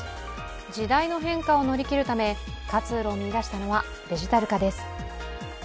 時代の変化を乗り切るため活路を見出したのはデジタル化です。